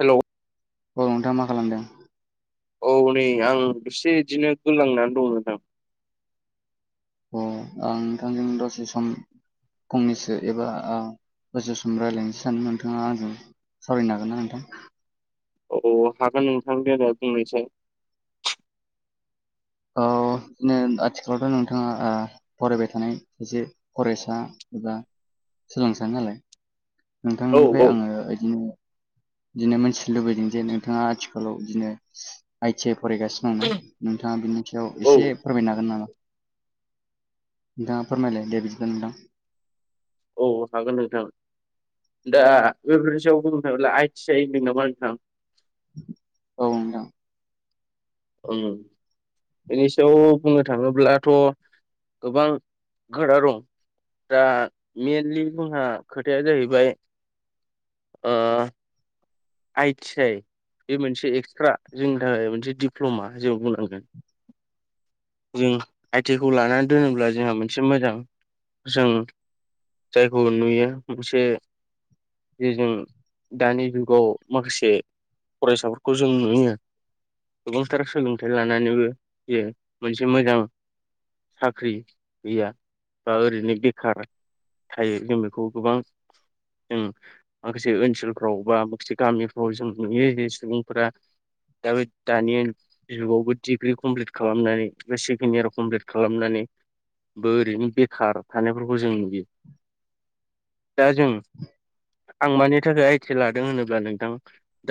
हेल' [unintelligible] अनोंथां माखालामदों औ नै आं दसे बिदिनो गोलांनानै दंनोंथां अ आं नोंथांजों दसे सम फंनैसो एबा ओ दसे सम रायजलायनो सादों नोंथाङा आंजों सावरायनो हागोन ना नोंथां अ हागोन नोंथांनि देनाय बुंनायसाय औ बिदिनो आथिखालावथ' नोंथाङा फरायबाय थानाय सासे फरायसा एबा सोलोंसा नालाय औ नोंथांनिफ्राय औ आङो बिदिनो बिदिनो मिथिनो लुबैदों जे नोंथाङा आथिखालाव बिदिनो आइटिआइ फरायगासिनो दं ना नोंथाङा बिनि खाथियाव औ एसे फोरमायनो हागोन नामा नोंथाङा फोरमायलाय दे बिदिब्ला नोंथां औ हागोन नोंथां दा बेफोरदियाव बुंनो थाङोब्ला आइटि आइ होनदोंं नामा नोंथां औ नोंथां ओं बेनि सायाव बुंनो थाङोब्लाथ' गोबां खोथा दं दा मइेनलि जोंहा खोथाया जाहैबाय आइटि आइ बे मोनसे एक्सट्रा जोंनि थाखाय मोनसे दिप्ल'मा जों बुंनांगोन जों आइटिआइ खौ लानानै दोनोब्ला जोंहा मोनसे मोजां जों जायखौ नुयो मोनसे जे जों दानि जुगाव माखासे फरायसाफोरखौ जों नुयो गोबांथार सोलोंथाइ लानानैबो जे मोनसे मोजां साख्रि गैया बा ओरैनो बेखार थायो जों बेखौ गोबां जों माखासे ओनसोलफ्राव बा माखासे गामिफ्राव जों नुयो जे सुबुंफोरा दा दानि जुगावबो डिग्रि कमप्लिट खालामनानै बा सेकेणड इयाराव कमप्लिट खालामनानै बो ओरैनो बेखार थानायफोरखौ जों नुयो दाजों आं मानि थाखाय आइटिआइ लादों होनोब्ला नोंथां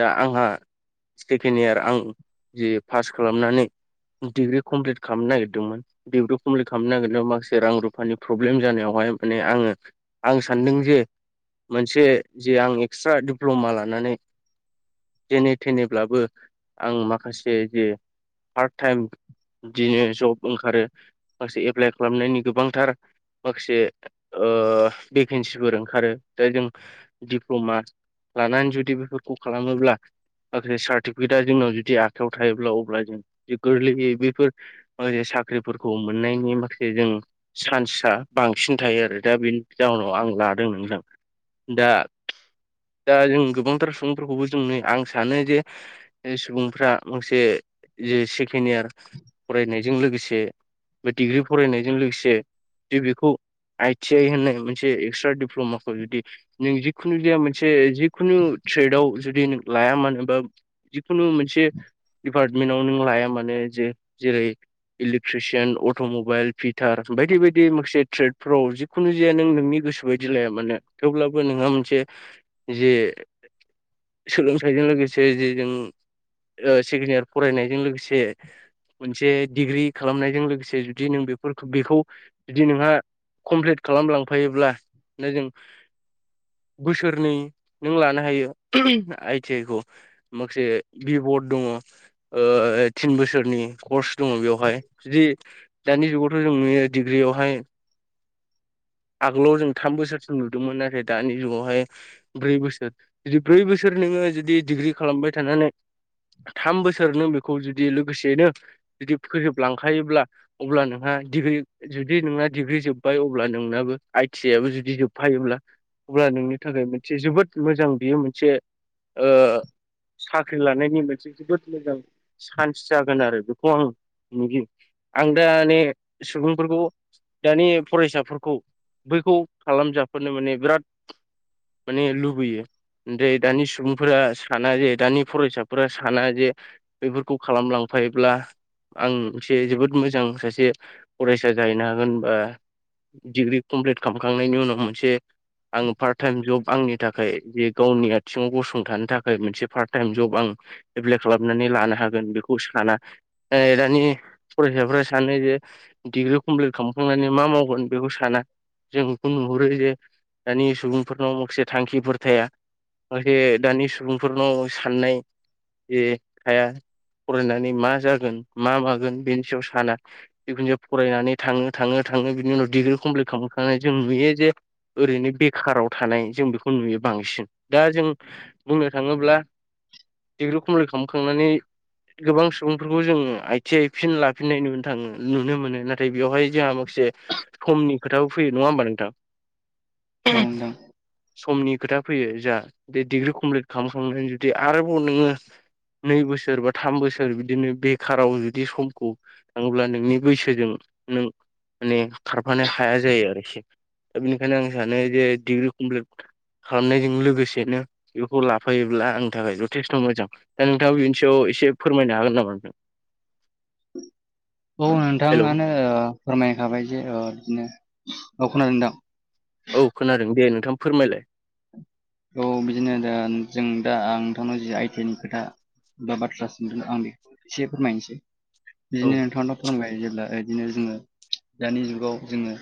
दा आंहा सेकेणड इयार आं जि पास खालामनानै डिग्रि कमप्लिट खालामनो नागिरदोंमोन डिग्रिखौ कमप्लिट खालामनो नागिरनाया माखासे रां रुफानि प्रब्लेम जानायावहाय माने आङो आं सानदों जे मोनसे जे आं एक्सट्रा दिडप्ल'मा लानानै जेने थेनेब्लाबो आं माखासे जे पार्ट टाइम बिदिनो जब ओंखारो माखासे एप्लाइ खालामनायनि गोबांथार माखासे भेकेेनसिफोर ओंखारो जाय जों दिप्ल'मा लानानै जुदि बेफोरखौ खालामोब्ला माखासे सार्टिफिकेटआ जोंनाव जुदि आखाइायाव थायोब्ला अब्ला जों गोरलैयै बेफोर माखासे साख्रिफोरखौ मोननायनि माखासे जों चान्सआ बांसिन थायो आरो दा बेनि जाहोनाव आं लादों नोंथां दा दा जों गोबांथार सुबुंफोरखौबो जों आं सानो जे सुबुंफ्रा माखासे जे सेकेणड इयार फरायनायजों लोगोसे बा डिग्रि फरायनायजों लोगोसे थेख बेखौ आइ टि आइ होननाय मोनसे एक्सट्रा दिडप्ल'माखौ जुदि नों जिखुनु ज मोनसे जिखुनु ट्रेदाव जुदि नों लाया मानोबा जिखुनु मोनसे दिडपार्टमेन्टाव नों लाया मानो जे जेरै इलेकट्रिसियान अट'मबाइल फिटार बायदि बायदि माखासे ट्रेडफोराव जि खुनु जाया नों नोंनि गोसो बायदि लाया मानो थेवब्लाबो नोंहा मोनसे जे सोलोंथाइजों लोगोसे जे जों ओ सेकेणड इयार फरायनायजों लोगोसे मोनसे डिग्रि खालामनायजों लोगोसे जुदि नों बेफोर बेखौ जुदि नोंहा कमप्लिट खालामलांफायोब्ला ना जों बोसोरनै नों लानो हायो आइ टि आइ खौ। माखासे भि बरड दङ। ओ थिन बोसोरनि कर्स दङ बेवहाय जुदि दानि जुगावथ' जों नुयो डिग्रियावहाय आगोलाव जों थाम बोसोरसिम नुदोंमोन आरो दानि जुगावहाय ब्रै बोसोर ब्रै बोसोर नोङो जुदि डिग्रि खालामबाय थानानै थाम बोसोर नों बेखौ जुदि लोगोसेयैनो जुदि फोजोबलांखायोब्ला अब्ला नोंहा डिग्रि जुदि नोंना डिग्रि जोब्बाय अब्ला नोंना आइ टि आ आबो जुदि जोबफायोब्ला अब्ला नोंनि थाखाय मोनसे जोबोद मोजां बियो मोनसे ओ साख्रि लानायनि मोनसे जोबोद मोजां चान्स जागोन आरो बेखौ आं नुयो आं दाने सुबुंफोरखौ दानि फरायसाफोरखौ बैखौ खालामजाफानो माने बिराद माने लुबैयो। ओमफ्राय दानि सुबुंफोरा साना जे दानि फरायसाफोरा साना जे बेफोरखौ खालामलांफायोब्ला आं एसे जोबोद मोजां सासे फरायसा जाहैनो हागोन बा डिग्रि कमप्लिट खालामखांनायनि उनाव मोनसे आङो पार्ट टाइम जब आंनि थाखाय जे गावनि आथिङाव गसंथानो थाखाय मोनसे पार्ट टाइम जब आं एप्लाइ खालामनानै लानो हागोन बेखौ साना दानि फरायसाफ्रा सानो जे डिग्रि कमप्लिट खालामखांनानै मा मावगोन बेखौ साना जों बेखौ नुहुरो जे दानि सुबुंफोरनाव माखासे थांखिफोर थाया। माखासे दानि सुबुंफोरनाव साननाय जे थाया फरायनानै मा जागोन मा मागोन बेनि सायाव साना। जिखुनज फरायनानै थाङो - थाङो - थाङो बिनि उनाव डिग्रि कमप्लिट खालाम [unintelligible] जों नुयो जे ओरैनो बेखाराव थानाय जों बेखौ नुयो बांसिन दा जों बुंनो थाङोब्ला [unintelligible] खालामखांनानै गोबां सुबुंफोरखौ जों आथि आइ फिन लाफिननाय ननो थाङो नुनो मोनो नाथाय बेवहाय जोंहा माखासे समनि खोथाबो फैयो नङा होमबा नोंथां। औ नोंथां समनि खोथा फैयो जोहा बे डिग्रि कमप्लिट खालामखांनायनि जुदि आरोबाव नोङो नै बोसोर बा थाम बोसोर बिदिनो बेखाराव जुदि समखौ थाङोब्ला नोंनि बैसोजों नों माने खारफानो हाया जायो आरोखि दा बेनिखायनो आं सानो जे डिग्रि कमप्लिट खालामनायजों लोगोसेनो बेखौ लाफायोब्ला आंनि थाखाय जथेस्थ' मोजां दा नोंथाङा बिनि सायाव एसे फोरमायनो हागोन नामा नोंथां। [inaudible] औ हेलौ नोंथाङानो ओ फोरमायखाबाय जे ओ बिदिनो औ खोनादोंदा। औ खोनादों दे नोंथां फोरमायलाय। औ बिदिनो दा जों दा आं नोंथांनाव जि आइटि आइ नि खोथा बा बाथ्रा सोंदों आं एसे फोरमायनोसै औ बिदिनो नोंथांनाव फोरोंबाय जेब्ला बिदिनो जोङो दानि जुगाव जोङो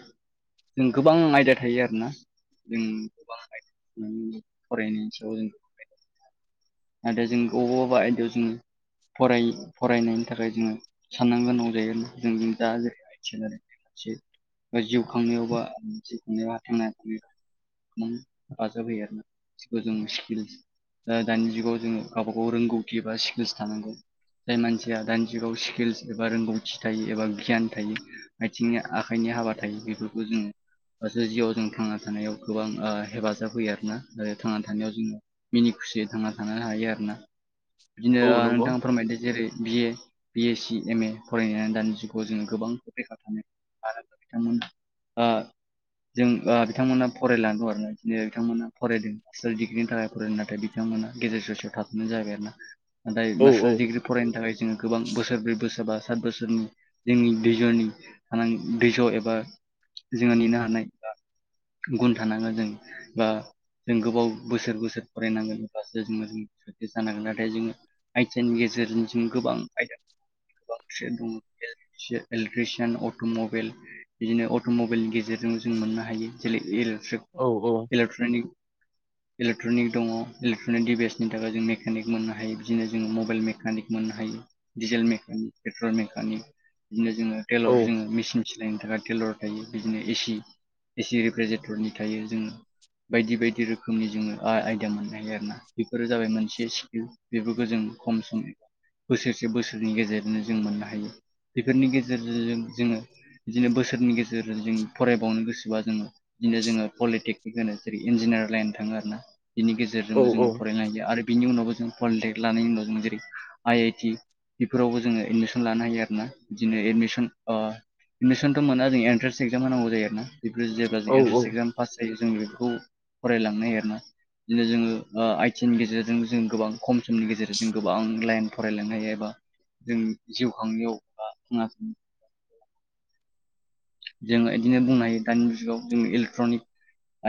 जों गोबां आयदा थायो आरोना जों गोबां आयदा फरायनायनि सायाव जों आरो जों बबावबा आयदायाव जोङो फराय फरायनायनि थाखाय जोङो साननै गोनां जायो जों दा जेबो मिथिगोन आरो [unintelligible] जिउ खांनायावबा थांना थानो [unintelligible] जाब होयो आरोना [unintelligible] जों स्किल दानि [unintelligible] जोंङो गावबा गाव रोंगौथि बा स्कल्स थानांगौ। जाय मानसिया दानि जुगाव स्किल्स एबा रोंगौथि थायो एबा गियान थायो। आथिंनि आखाइनि हाबा थायो बेफोरखौ जों [unintelligible] जिउआव जों थांना थानायाव गोबां हेफाजाब होयो आरोना आरो थांना थानायाव जों मिनि खुसियै थांना थानो हायो आरोना बिदिनो औ ओ नंगौ नोंथा फोरमायदो जेरै बि ए बि एस सि एम ए फरायनाय दानि जुगाव जोङो गोबां बेखार [unintelligible] मानो होनबा बिथांमोन ओ जों ओ बिथांमोना फरायला गुवारहाय जे बिथांमोना फरायदों। मास्टार डिग्रिनि थाखाय फरायो नाथाय बिथांमोना गेजेर ससेयाव थाथ'नाय जाबाय आरो ना नाथाय औ औ मास्टार डिग्रि फरायनो थाखाय जोङो गोबां बोसोर ब्रै बोसोर बा सात बोसोरनि जोंनि दैजनि [unintelligible] दैज' एबा जोङो नेनो हानाय गुन थानांगोन जों बा जों गोबाव बोसोर बोसोर फरायनांगोन। जोङो साक्सेस मोन जानो हांगोन नाथाय जोङो आइ थि आइ नि गेजेरजों जों गोबां आयदा बां [unintelligible] दं इलेकट्रिसयान अट' मबेइल बिदिनो अट' मबेइलनि गेजेरजों जों मोननो हायो जेरै इलेक्ट्रिक औ औ इलेकट्रनिक इलेक्ट्रनिक दङ। इलेक्ट्रनिक डिभाइसनि थाखाय जों मेकानिक मोननो हायो बिदिनो जोङो मबाइल मेकानिक मोननो हायो। दिडिजेल मेकानिक पेट्रल मेकानिक बिदिनो जोङो औ टेलर जोंङो मेसिन सिलायनो थाखाय लर थायो बिदिनो एसि एसि रिफ्रिजिरेटरनि थायो जोंङो बायदि बायदि रोखोमनि जोङो आ-आयदा मोनो। हायो आरो ना बेफोरो जाबाय मोनसे स्किल बेफोरखौ जों खम समनि बोसोरसे बोसोरनि गेजेरनो जों मोननो हायो बेफोरनि गेजेरजों जोङो बिदिनो बोसोरनि गेजेर जों फरायबावनो गोसोबा जोङो बिदिनो जोङो पलिटेकनिक होनो जेरै इन्जिनियार लाइन थाङो आर ना बिनि गेजेर जों औ जोङो फरायनो हायो आरो बिनि उनावबो जों पलिटेक्क लानाय उनाव जों जेरै आइ आइटि बेफोरावबो जोङो एडमिसन लानो हायो आरोना बिदिनो एडमिसन अ एडमिसनथ' मोना जों एन्ट्रेन्स एक्जाम होनांगौ जायो आरोना। बिदिनो जेब्ला जों औ एन्ट्रेन्स एगजाम पास जायो जों बेफोरखौ फरायलांनो नानिरा बिदिनो जोङो आइ टि आइ नि गेजेरजों जों गोबां खम समनि गेजेरजों जों गोबां लाइन फरायलांनो हायो एबा जों जिउ खांनायाव बा [unintelligible] जोंङो इदिनो बुंनो हायो दानि जुगाव जों इलेकट्रनिक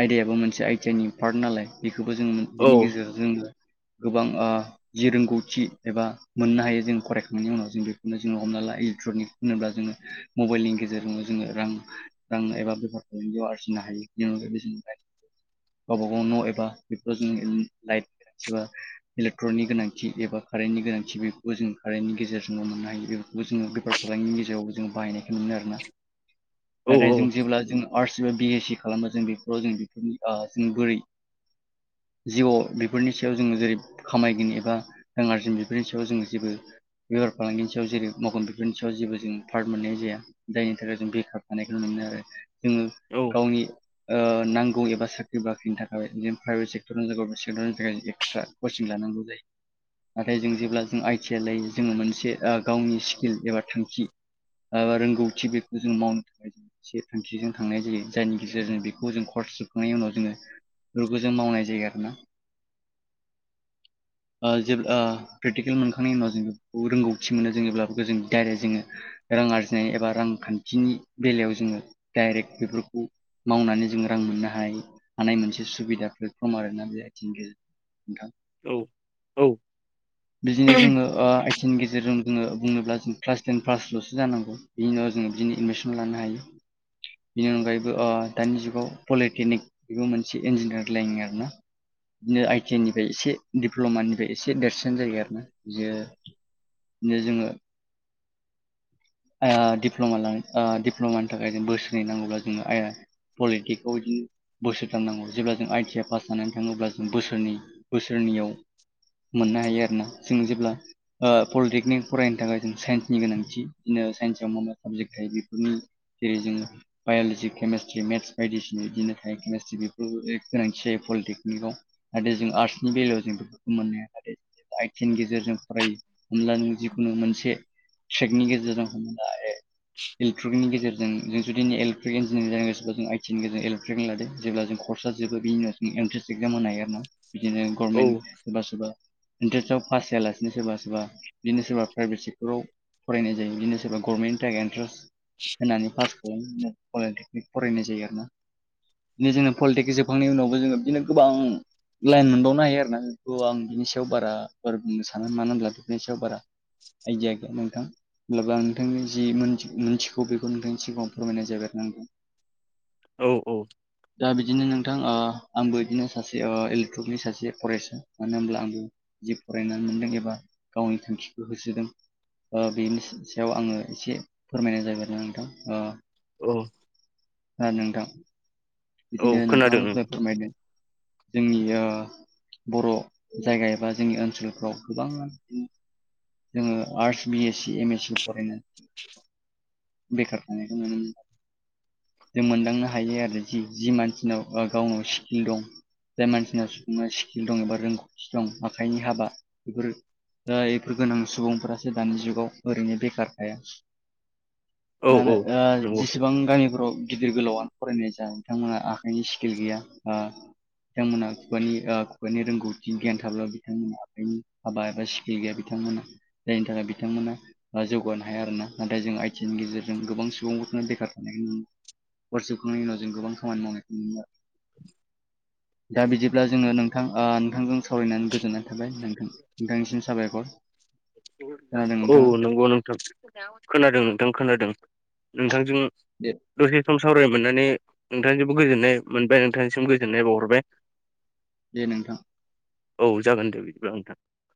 आयदायाबो मोनसे आइ टि आइ नि पार्ट नालाय बेखौबो जों औ बिनि गेजेर जोङो गोबां ओ जि रोंगौथि एबा मोननो हायो जों फरायखांनायनि उनाव जों बेखौनो जोङो हमना ला इलेक्ट्रनिक होनोब्ला जोङो मबेइलनि गेजेरजों जोङो रां रां एबा बेफार फालांगियाव आरजिनो हायो बेनि अनगायै गावबा गाव न' एबा बेफोराव लाइट एबा इलेक्ट्रकनि गोनांथि एबा कारेन्टनि गोनांथि बेखौबो जों कारेन्टनि गेजेरजोंनो मोननो हायो। बे जोंङो बेफार फालांगनि गेजेरावबो जोङो बायखौ मोनो आरोना औ नाथाय जों जेब्ला जों आर्ट्स एबा बि एस सि खालामो जों बेफोराव जों बेफोरनि जों बोरै जिउ बेफोरनि सायाव जोंङो जेरै खामायगिरिनि एबा [unintelligible] आरजि बेफोरनि सायाव जोङो जेबो बेफार फालांगिनि सायाव जेरै मगन बिफोरनि सायाव जेबो जों पार्ट मोननाय जाया जाय थाखाय जों बेखार थानायखौ मोनो आरो जोंङो गावनि ओ नांगौ एबा साख्रि बाख्रिनि थाखाय जों प्राइभेट सेक्टरावनो जा गभमेट सेक्टरनि थाखाय एक्सट्रा कचिं लानांगौ जायो। नाथाय जों जेब्ला जों आइ टि आइ लायो जोङो मोनसे गावनि स्किल एबा थांखि। ओ रोंगौथि बे जों मावनो थाखाय से थांखिजों थांनाय जायो जायनि गेजेरजों बेखौ जों खरस जोबखांनायनि उनाव जोंङो बेफोरखौ जों मावनाय जायो आरोना जेब्ला प्रेकटिकेल मोनखांनायनि उनाव जों बेखौ रोंगौथि मोनो जों जेब्ला बे जों डाइरेक्ट जोंङो रां आरजिनाय एबा रांखान्थिनि बेलायाव जोङो डाइरेक्ट बेफोरखौ मावनानै जों रां मोननो हायो हानाय मोनसे सुबिदाफोरफम आरोना बे आथिं नोंथां औ औ [inaudible] बिदिनो जोंङो आइथिेननि गेजेरजों जोंङो बुनो्ला जों क्लास टेन पासल'सो जानांगौ बिनि उनाव जोंङो बिदिनो एडमिसन लानो हायो बेनि अनगायैबो दानि जुगाव पलिटेकनिक बेबो मोनसे इन्जिनियार लाइायो आरोना बिदिनो आइ टि आइ निफ्राय एसे दिप्ल'मानिफ्राय एसे देरसिन जायो आरोना बियो बिनो जोंङो दिप्ल'मा डप्ल'मानि थाखाय जों बोसोरनै नांगौब्ला जों आइ पलिटिक्सआव बिदिनो बोसोरथाननांगौ जेब्ला जों आइटि आ पास थानानै थाङोब्ला जों बोसोरन बोसोरनैयाव मोननो हायो आरोना जोंङो जेब्ला पलिटेकनिक फरायनो थाखाय जों साइन्सनि गोनांथि बिदिनो साइन्सआव मा मा साबजेक्ट थायो बेफोरनि जेरै जोङो बाय'लजि केमेस्ट्रि मेथ्स बायदिसिना बिदिनो थायो केमेस्ट्रि बेफोर गोनांथि जायो पलिटेकनिकआव जाथे जों आर्ट्सनि बेलायाव जों बेफोरखौ मोननो ह जे आइटिेननि गेजेरजों फरायो हब्ला नों जिखुनु मोनसे ट्रेकनि गेजेरजों हमा इलेक्ट्रिकनि गेजेरजों जों जुदि इलेक्टक इन्जिनियारि ज गोोब जों आइटिनि ग इलेक्ट्रिक लादों जेब्ला जों कर्स जबो बे उनाव इन्ट्रेस्ट ए गामोनो हायो आरो ना बिदिनो गभर्नमेन्ट सोरबा सोरबा इन्ट्रेसआव पास जायालासिनो सोरबा सोरबा बिदिनो सोरबा प्राइभेट सेक्टराव फरायनाय ज बिदिनो सोरबा गर्नमेन्नि थाखाय इन्टारेस्ट होनानै पास खालाम पलिटेकनिक फरायनाय जायो आरो ना बिदिनो जोंङो पलिटिक जोबखांनायनि उनावबो जोंङो बिदिनो गोबां लाइन मोनबावनो हायो आरोोना बेखौ आं बिनि सायाव बारा बार बुंनो सानो मानो होनब्ला बेफोरनि सायाव बारा आइदिया गैया नोंथां मब्लाबां नोंथांनि जि मोन मोनथिगौ बेखौ नोंथांनि सिगाङाव फोरमायनाय जागेरनांगोन औ औ दा बिदिनो नोंथां आंबो बिदिनो सासे इलेक्ट्रकनि सासे फरेस्टार मानो होनोमब्ला आंबो जि फरायनानै मोनदों एबा गावनि थांखिखौ होसोदों बेनो सायाव आंङो एसे फोरमायनाय जागाय नोंथां औ सार नोंथां औ बिदिनो खोनादों नोंथांङाथ'जाय फोरमायदों जोंनि बर' जायगा एबा जोंनि ओनसोलफ्राव गोबां जोङो arts B S C M S C फरायनानै बेखार थानायखौ नुनो मोन जों मोनदांनो हायो आरो जि मानसिनाव गावनाव स्किल दं जाय मानसिन सुबङा स्किल दं एबा रोंगौथि दं आखाइनि हाबा बेफोर दा बेफोर गोनां सुबुंफोरासो दानि जुगाव ओरैनो बेखार थाया औ औ मानो नंगौ जेसेबां गामिफोराव गिदिर गोलावानो फरायनाय जा बिथांमोनहा आखाइनि स्किल गैया बिथांमोना खुगानि खुगानि रोंगौथि गियान थाब्ला बिथांमोना आखाइनि हाबा एबा गैया बिथांमोना जायनि थाखाय बिथांमोना जौगानो हाया आरो ना नाथाय जों आइथि नि गेजेरजों गोबां सुबुंफोरनो बेखार थानाय बेफोर सोबखांनायनि उनाव जों गोबां खामानि मावनायखौ नुनो मोनो दा बिदिब्ला जोङो नोंथां नोंथांजों सावरायनानै गोजोननाय थाबाय नोंथां नोंथांसिम साबायखर खोनादों औ नोंथाङा नंगौ नोंथां खोनादों नोंथां खोनादों नोंथांजों दे दसे सम सावराय मोननानै नोंथांनिसिमबो गोजोननाय मोनबाय नोंथांनिसिम गोजोननाय बावहरबाय दे नोंथां औ जागोन दे बिदिब्ला नोंथां